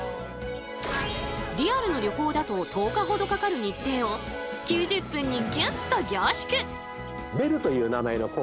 リアルの旅行だと１０日ほどかかる日程を９０分にギュッと凝縮！